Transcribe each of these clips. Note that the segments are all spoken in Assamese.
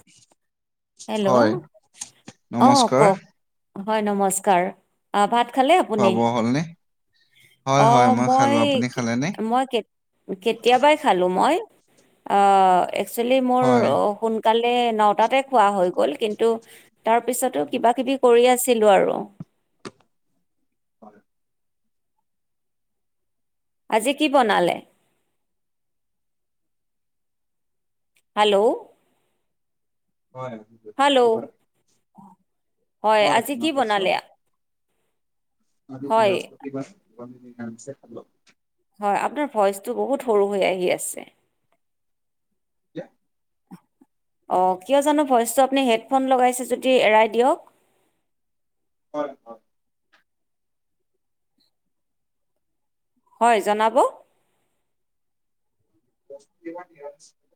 [inaudible] হেল্ল' হয় অ' নমস্কাৰ কওঁক, হয় নমস্কাৰ। অ', ভাত খালে খোৱা আপুনি? বোৱা হ'লনে? হয় হয় অ', মই খালো আপুনি কি খালেনে? মই কে কেতিয়াবাই খালো মই আ একচুয়েলি মোৰ হয় শুন কালে নটাতে খোৱা হৈ গ'ল কিন্তু তাৰ পিছতো কিবা কিবি কৰি আছিলো আৰু। হয়। আজি কি বনালে? হেল্ল'। হয়। হেল্ল'। বৃহস্পতিবাৰ। হয়, আজি আপোনাৰ কি শস্য বনালে? আজি হয় বৃহস্পতিবাৰ [unintelligible] নিৰামিষে খালো। হয়, আপোনাৰ ভইচটো বহুত সৰু হৈ আহি আছে। [inaudible] অ', জানো ভইচটো আপুনি হেড্ৰফোন লগাইছে যদি এৰাই দিয়ক। হয়। হয় হয়, জনাব। [inaudible]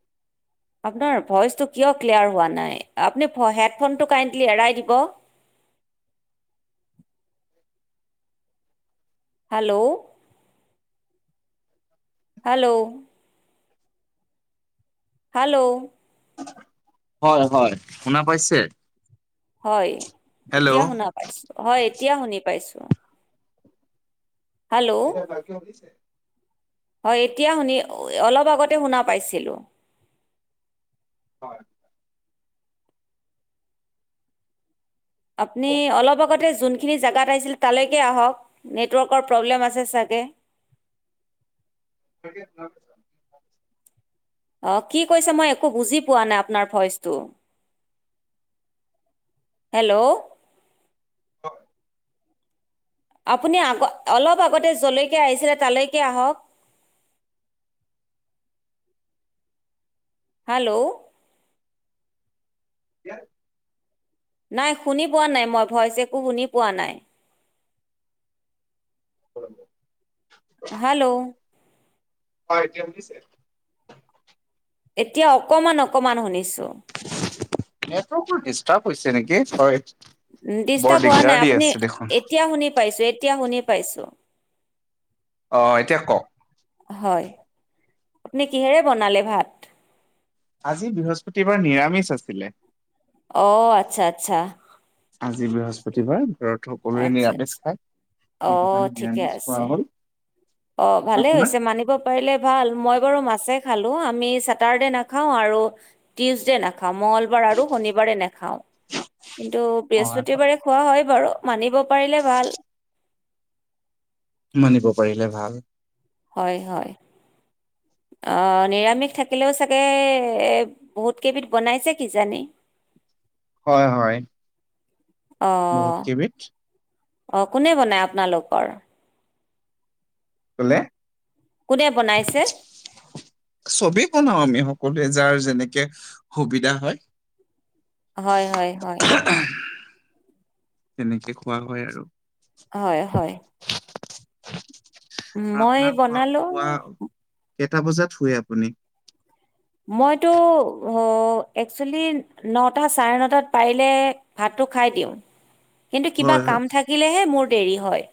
আপোনাৰ ভইচটো কিয় ক্লিয়াৰ হোৱা নাই আপুনি হেডফোনটো কাইণ্ডলি এৰাই দিব। হেল্ল'। হেল্ল'। হেল্ল'। হয়, হয়, শুনা পাইছে? হয়, হেল্ল' এতিয়া শুনা পাইছো, হয় এতিয়া শুনি পাইছো। এতিয়া বাকী [unintelligible] হয়, এতিয়া শুনি অলপ আগতে শুনা পাইছিলোঁ। হয়। আপুনি কওক, অলপ আগতে যোন খিনি জেগাত আহিছিল তালৈকে আহক নেটৱৰ্কৰ প্ৰব্লেম আছে চাগে। [inaudible] অ', কি কৈছে মই একো বুজি পোৱা নাই আপোনাৰ ভইচটো। হেল্ল'। হয়। আপুনি আগত অলপ আগতে যৰ লৈকে আহিছিলে তালৈকে আহক। হেল্ল'। [inaudible] নাই, শুনি পোৱা নাই মই। ভইচ একো শুনি পোৱা নাই। [inaudible] হেল্ল', হয়, এতিয়া শুনিছে? এতিয়া অকমান অকমান শুনিছোঁ। নেটৱৰ্কটো ডিষ্টাৰ্ব হৈছে নেকি? হয়। বৰ ডিষ্টাৰ্ব হোৱা দিগদাৰ নাই, দি আপুনি, আছে দেখোন এতিয়া শুনি পাইছোঁ। এতিয়া শুনি পাইছোঁ। অ', এতিয়া কওঁক। হয়। আপুনি কিহেৰে বনালে ভাত? আজি বৃহস্পতিবাৰ, নিৰামিষ আছিলে। অ', আচ্ছা আচ্ছা। আজি বৃহস্পতিবাৰ, ব্ৰত। সকলোৱে আচ্ছা নিৰামিষ আচ্ছা খায়, অ সেইটো কাৰণে ঠিকে নিৰামিষ আছে খোৱা হ'ল। অ', ভালে আপোনাৰ হৈছে মানিব পাৰিলে ভাল, মই বাৰু মাছে খালোঁ। আমি চাটাৰডে নাখাওঁ আৰু টিউচডে নাখাওঁ। মঙলবাৰ আৰু শনিবাৰে নাখাওঁ। কিন্তু হয় বৃহস্পতিবাৰে খোৱা হয় বাৰু, মানিব পাৰিলে ভাল। মানিব পাৰিলে ভাল। হয়, হয়। অ', নিৰামিষ থাকিলেও চাগে বহুত কেইবিধ বনাইছে কিজানি। হয়, হয়। বহুত অ'। কেইবিধ অ', কোনে বনায় আপোনালোকৰ? কি ক'লে? কোনে বনাইছে? চবেই বনাও আমি, সকলোৱে। যাৰ যেনেকে সুবিধা হয়। হয়, হয়, হয়। [inaudible] তেনেকে খোৱা হয় আৰু। হয়, হয়। আৰু মই আপোনাৰ বনালো পুৱা-পুৱা, কেইটা বজাত শুইয়ে আপুনি? মইতো, অ', একচুৱেলি নটা চাৰে নটাত পাৰিলে ভাতটো খাই দিওঁ। [inaudible] কিন্তু কিবা হয় কাম থাকিলেহে মোৰ দেৰি হয়।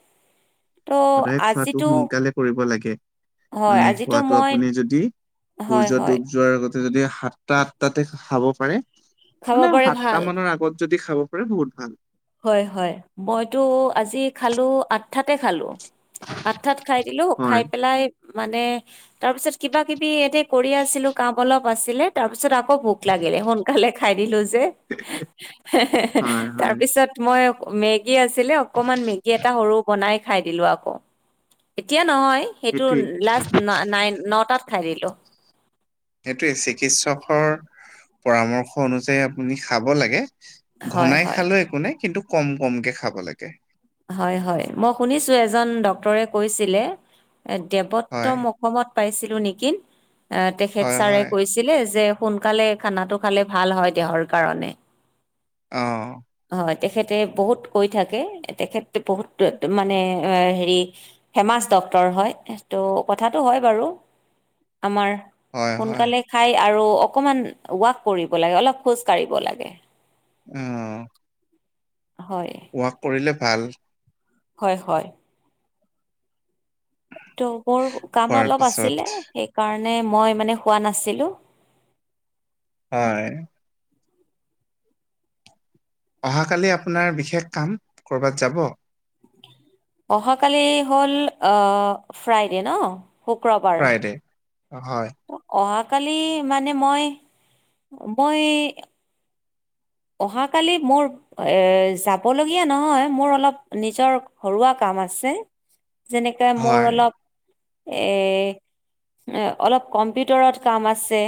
ত' সদায় খোৱাটো আজিতো সোনকালে কৰিব লাগে। হয়, মানে আজিতো খোৱাটো মই আপুনি যদি হয়, সূৰ্য্য হয়, ডুব যোৱাৰ আগতে যদি সাতটা আঠটাতে খাব পাৰে, খাব মানে পাৰে ভাল। সাতটা মানৰ আগত যদি খাব পাৰে বহুত ভাল। হয়, হয়। মইতো আজি খালোঁ, আঠটাতে খালোঁ। আঠটাত খাই দিলোঁ, হয় খাই পেলাই মানে, তাৰ পিছত কিবাকিবি এতে কৰি আছিলোঁ, কাম অলপ আছিলে। তাৰপিছত আ আকৌ ভোক লাগিলে, সোনকালে খাই দিলোঁ যে। হয় [inaudible] তাৰ হয় পিছত মই মেগী আছিলে, অকনমান মেগী এটা সৰু বনাই খাই দিলোঁ আকৌ, এতিয়া নহয় সেইটো সেইটোৱে। লাষ্ট অ-নাইন- নটাত খাই দিলোঁ। সেইটোয়ে চিকিৎসকৰ, পৰামৰ্শ অনুযায়ী আপুনি খাব লাগে। হয় ঘনাই হয় খালেও একো নাই কিন্তু কম-কমকে খাব লাগে। হয়-হয়। মই শুনিছো এজন ডক্তৰে কৈছিলে, হয়, দেৱত্তম- অসমত পাইছিলো নিকি, আঁহ' তেখেত হয়, ছাৰে হয়। কৈছে- ছিলে যে সোনকালে খানাটো খালে ভাল হয় দেহৰ কাৰণে। অঁ'। হয়। তেখেতে বহুত কৈ থাকে, তেখেত বহুত মানে হেৰি- ফেৰ্মাচ ডক্তৰ হয়, ত' কথাটো হয় বাৰু। আমাৰ- হয়, হয়, সোনকালে খাই আৰু অকণমান ৱাক কৰিব লাগে অলপ খোজ কাঢ়িব লাগে। অঁ'। হয়। ৱাক কৰিলে ভাল। হয়-হয়। ত' মোৰ কাম খোৱাৰ অলপ পিছত। আছিলে সেই কাৰণে মই মানে শুৱা নাছিলো। হয়। অহাকালি আপোনাৰ বিশেষ কাম, ক'ৰবাত যাব? অহাকালি হ'ল আঁহ' ফ্ৰাইডে ন'। শুক্ৰবাৰ ফ্ৰাইডে, হয়। অহাকালি মানে মই, মই- অহাকালি মোৰ- এ' যাবলগীয়া নহয়, মোৰ অলপ নিজৰ ঘৰুৱা কাম আছে। যেনেকে মোৰ হয়, অলপ- এ', এ অলপ কম্পিউটাৰত আছে।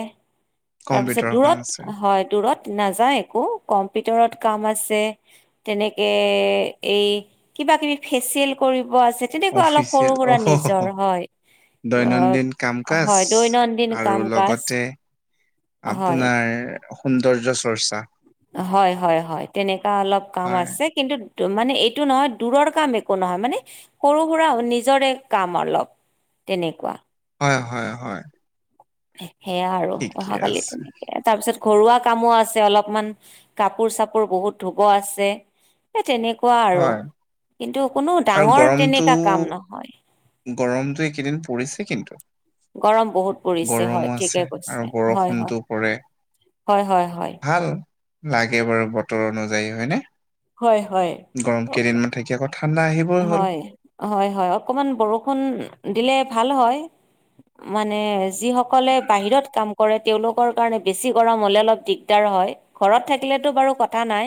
তাৰপিছত কম্পিউটাৰৰ কাম আছে। দূৰত হয়, দূৰত নাযায় একো, কম্পিউটাৰত কাম আছে। তেনেকে এই কিবা-কিবি ফেচিয়েল কৰিব আছে। তেনেকুৱা অলপ অফিচিয়েল সৰু-সুৰা অ' নিজৰ হয়। অহ', দৈনন্দিন কাম কাজ হয়, দৈনন্দিন আৰু কাম-কাজ। লগতে আপোনাৰ সৌন্দৰ্য চৰ্চা। হয়-হয়-হয়, তেনেকা অলপ কাম হয়, আছে। কিন্তু মানে এইটো নহয়, দূৰৰ কাম একো নহয়, মানে সৰু-সুৰা নিজৰে কাম অলপ, তেনেকুৱা। হয়-হয়-হয়। সেয়া আৰু, অহাকালি আছে তেনেকে আৰু। তাৰপিছত ঘৰুৱা কামো আছে অলপমান, কাপোৰ-চাপোৰ বহুত ধূব আছে। সেই তেনেকুৱা আৰু, হয় কিন্তু কোনো আৰু ডাঙৰ গৰমটো তেনেকা কাম নহয়। গৰমটো এইকেদিন পৰিছে কিন্তু। গৰম বহুত পৰিছে হয়, গৰমো আছে ঠিকে আৰু কৈছে, বৰষুণটো হয়-হয়। পৰে হয়-হয়-হয়। ভাল লাগে বাৰু বতৰ অনুযায়ী হয় নে, হয়, হয়। গৰম কেইদিন অকমান মান থাকি আকৌ ঠাণ্ডা আহিব। হয়। হয়-হয়। অকণমান বৰষুণ দিলে ভাল হয়, মানে- যি সকলে বাহিৰত কাম কৰে- তেওঁলোকৰ কাৰণে বেছি গৰম হ'লে দিগদাৰ হয়, ঘৰত থাকিলেটো বাৰু কথা নাই।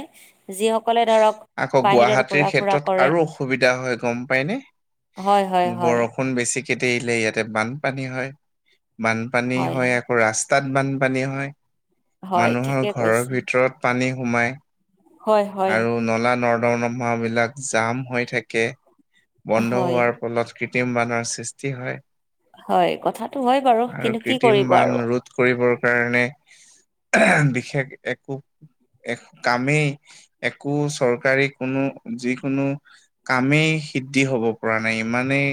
যিসকলে ধৰক' আকৌ বাহিৰত গুৱাহাটীৰ ঘূৰা-ফুৰা ক্ষেত্ৰত কৰে। আৰু অসুবিধা হয় গম পায় নে। হয় হয় হয় বৰ- ষুণ বেছিকে দিলে ইয়াতে বানপানী হয়। বানপানী হয় আকৌ ৰাস্তাত বানপানী হয় হয় মানুহৰ ঠিকে ঘৰৰ কৈছে ভিতৰত পানী সোমায় হয় হয় আৰু নলা নৰ্দমা বিলাক জাম হৈ থাকে, বন্ধ হয় হোৱাৰ ফলত কৃত্ৰিম বানৰ সৃষ্টি হয়। হয় কথাটো হয় বাৰু, আৰু কিন্তু কি কৃত্ৰিম কৰিব বান আৰু? ৰোধ কৰিবৰ কাৰণে বিশেষ একো কামেই একো চৰকাৰী কোনো যি কোনো কামেই সিদ্ধি হব পৰা নাই ইমানেই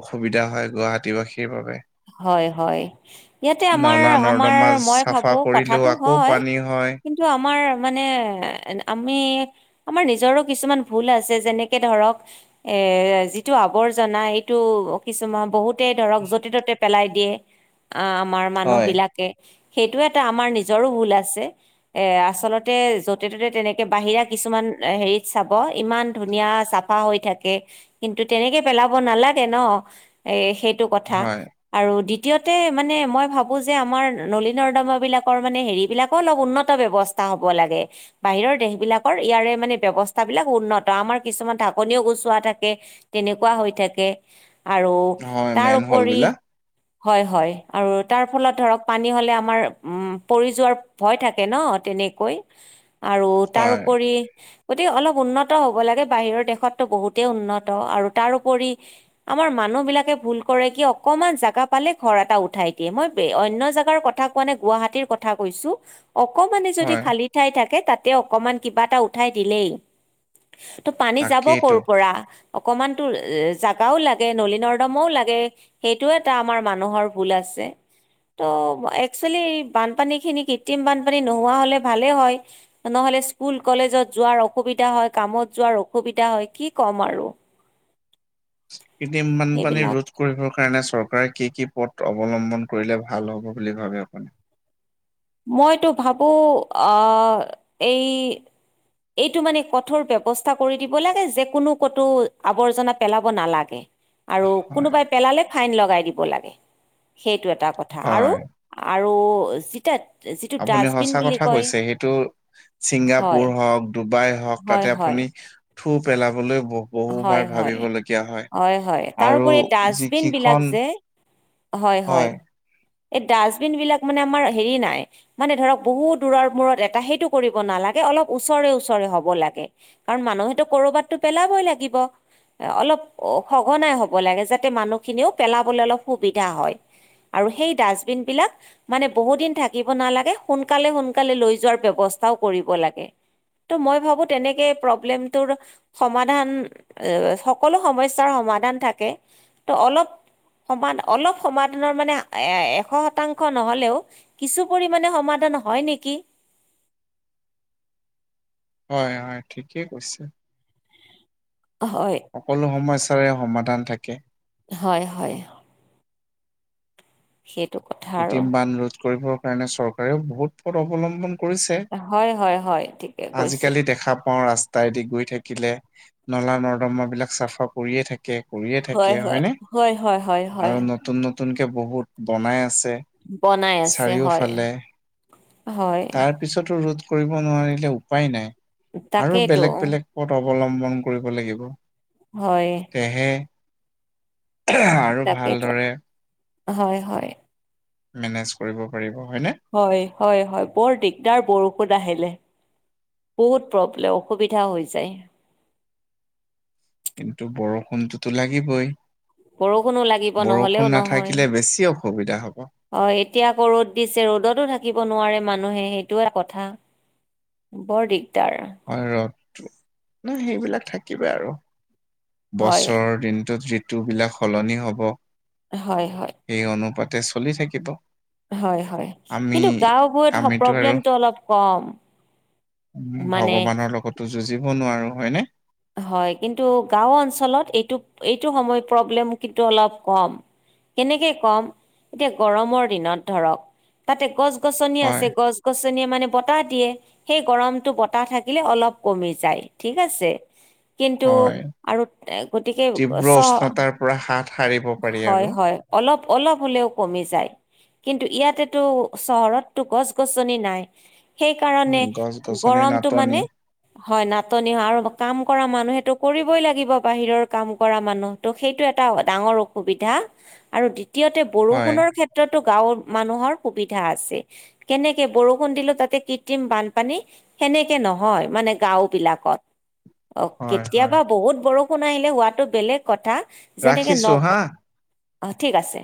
অসুবিধা হয় গুৱাহাটীবাসীৰ বাবে। হয় হয়। ইয়াতে আমাৰ নলা আমাৰ নৰ্দমা মই চাফা ভাবো কৰিলেও কথাটো আকৌ হয়। পানী হয়। কি আমাৰ মানে আমি আমাৰ নিজৰো কিছুমান ভুল আছে যেনেকে ধৰক এ যিটো আৱৰ্জনা এইটো কিছুমান বহুত ধৰক যতে, ত'তে পেলাই দিয়ে আমাৰ মানুহ হয় বিলাকে সেইটো এটা আমাৰ নিজৰো ভুল আছে। এ আচলতে যতে ত'তে তেনেকে বাহিৰা কিছুমান হেৰিত চাব ইমান ধুনীয়া চাফা চাফা হৈ থাকে কিন্তু তেনেকে পেলাব নালাগে ন এ সেইটো কথা হয় আৰু দ্বিতীয়তে মানে মই ভাবো যে আমাৰ নলা নৰ্দমা বিলাকৰ মানে হেৰিবিলাক অলপ উন্নত ব্যৱস্থা হ'ব লাগে। বাহিৰৰ দেশ বিলাকৰ ইয়াৰে মানে ব্যৱস্থাবিলাক উন্নত আমাৰ কিছুমান ঢাকনিও গুচোৱা থাকে তেনেকুৱা হৈ থাকে। আৰু হয় মেন হল তাৰুপৰি বিলাক হয় হয়। আৰু তাৰ ফলত ধৰক পানী হ'লে আমাৰ উ পৰি যোৱাৰ ভয় থাকে ন তেনেকৈ আৰু তাৰ হয় ওপৰি গতিকে অলপ উন্নত হ'ব লাগে। বাহিৰৰ দেশতো বহুতেই উন্নত। আৰু তাৰপৰি আমাৰ মানুহ বিলাকে ভুল কৰে কিয়? অকণমান জেগা পালে ঘৰ এটা উঠাই দিয়ে, মই অন্য জাগাৰ কথা কোৱা নে গুৱাহতিীৰ কথা কৈছো অকমান যদি হয় খালী ঠাই থাকে তাতে অকমান কিবা এটা উঠাই দিলেই। ত' পানী যাব তাকেইতো। কৰ' পৰা? অকণমান টো জাগাও লাগে, নলা নৰ্দমা ও লাগে। সেইটো এটা আমাৰ মানুহৰ ভুল আছে। ত' একচুৱেলি বানপানীখিনি কৃত্ৰিম বানপানী নোহোৱা হ'লে ভালেই হয়। নহ'লে স্কুল, কলেজত যোৱাৰ অসুবিধা হয় কামত যোৱাৰ অসুবিধা হয় কি ক'ম আৰু কৃত্ৰিম বানপানী সেইবিলাক ৰোধ কৰিবৰ কাৰণে চৰকাৰে কি কি পথ অৱলম্বন কৰিলে ভাল হ'ব বুলি ভাবে আপুনি? মইতো ভাবো আহ এই এইটো মানে কঠোৰ ব্যৱস্থা কৰি দিব লাগে যে কোনো কতো আৱৰ্জনা পেলাব নালাগে। আৰু হয়। কোনোবাই পেলালে ফাইন লগাই দিব লাগে। সেইটো এটা কথা আৰু হয়, আৰু যেতিয়া যিটো আপুনি ডাষ্টবিন সঁচা বুলি কথা কয় কৈছে সেইটো হয় ছিংগাপুৰ হওক ডুবাই হওক হয় তাতে হয় আপুনি থু পেলাবলৈ বহ হয় হয়। হয় হয়। তাৰ আৰু উপৰি যি ডাষ্টবিন বিলাক কিখন যে হয় হয় এই ডাষ্টবিন বিলাক মানে আমাৰ হেৰি নাই। মানে ধৰক বহুত দূৰৰ মূৰত এটা সেইটো কৰিব নালাগে অলপ ওচৰে ওচৰে হব লাগে। কাৰণ মানুহেতো কৰবাততো পেলাবই লাগিব। এ অলপ সঘনাই হব লাগে। যাতে মানুহখিনিও পেলাবলে অলপ সুবিধা হয়। আৰু সেই ডাষ্টবিন বিলাক- মানে বহু দিন থাকিব নালাগে, সোনকালে সোনকালে লৈ যোৱাৰ ব্যৱস্থাও কৰিব লাগে। ত' ময় ভাবো তেনেকে প্ৰব্লেমটোৰ সমাধান- অঁ সকলো সমস্যাৰ সমাধান থাকে, ত' অলপ- সমান অলপ সমাধানৰ মানে এশ শতাংশ নহ'লেও- কিছু পৰিমানে সমাধান হয় নেকি? হয় হয়, ঠিকেই কৈছে। হয়। সকলো সমস্যাৰে সমাধান থাকে। হয় হয়। সেইটো কথা। আৰু কৃত্ৰিম বান ৰোধ কৰিবৰ কাৰণে চৰকাৰেও বহুত পথ অৱলম্বন- কৰিছে। হয় হয় হয় ঠিকে কৈছে আজিকালি দেখা পাওঁ ৰাস্ত- তাইদি গৈ থাকিলে নলা-নৰ্দমা বিলাক চাফা কৰিয়েই থাক- কে কৰিয়ে হয় থাকে হয় হয়নে? হয় হয় হয় হয় আৰু নতুন নতুনকে বহুত বনাই আছে। বনাই আছে হয়, চাৰিওফালে। হয়। তাৰ পিছতো ৰোধ কৰিব নোৱাৰিলে উপায়ে নাই আৰু তাকেইতো বেলেগ বেলেগ- পথ অৱলম্বন কৰিব লাগিব। হয়। তেহে আৰু তাকেইতো ভালদৰে- হয় হয়। মেনেজ কৰিব পাৰিব, হয়নে? হয় হয় হয়, বৰ দিগদাৰ বৰষুণ আহিলে। বহুত প্ৰব্লেম, অসুবিধা হৈ যায়। কিন্তু বৰষুণটোটো লাগিবই। বৰষুণো লাগিব নহলেও বৰষুণ নহয় নাথাকিলে বেছি অসুবিধা হব। হয় এতিয়া আকৌ ৰ'দ দিছে, ৰ'দতো থাকিব নোৱাৰে মানুহে সেইটোও কথা। বৰ দিগদাৰ। হয় ৰদটো, ন সেইবিলাক থাকিবই আৰু। হয় বছৰ দিনটোত ঋতুবিলাক সলনি হব। হয় হয়। সেই অনুপাতে চলি থাকিব। হয় হয়, আমি কিন্তু গাওঁবোৰত হক আমিতো প্ৰব্লেমটো অলপ কম। উম' মানে ভগৱানৰ লগতো যুঁজিব নোৱাৰো, হয়নে? হয়, কিন্তু গাঁও অঞ্চলত এইটো এইটো সময় প্ৰব্লেম কিন্তু অলপ কম। কেনেকে কম? এতিয়া গৰমৰ দিনত ধৰক তাতে গছ-গছনি হয় আছে, গছ- গছনিয়ে মানে বতাহ দিয়ে, সেই গৰমটো বতাহ থাকিলে অলপ কমি যায় ঠিক আছে। কিন্তু হয় আৰু গতিকে তীব্ৰ চ উষ্ণতাৰ পৰা হাত সাৰিব পাৰি হয়, আৰু হয়। অলপ অলপ হ'লেও কমি যায়। কিন্তু ইয়াতেটো চহৰতটো গছ-গছনি নাই। সেইকাৰণে গছ গছনি গৰমটো নাটনি মানে হয় নাটনি হয়, আৰু- কাম কৰা মানুহেটো কৰিবই লাগিব বাহিৰৰ কাম কৰা মানুহ তো সেইটো এটা ডাঙৰ অসুবিধা। আৰু দ্বিতীয়তে হয় বৰষুণৰ ক্ষেত্ৰতো গাঁওৰ মানুহৰ সুবিধা আছে। কেনেকে বৰষুণ দিলো তাতে কৃত্ৰিম বানপানী- সেনেকে নহয় মানে গাঁও বিলাকত। অ' হয় হয় কেতিয়াবা বহুত বৰষুণ আহিলে হোৱাটো বেলেগ কথা। যেনেকে ৰাখিছো হা নক অঁ ঠিক আছে।